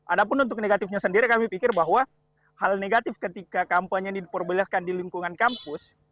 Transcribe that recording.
ada pun untuk negatifnya sendiri kami pikir bahwa hal negatif ketika kampanye diperbolehkan di lingkungan kampus